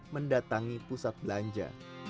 mendatangi pusat belanja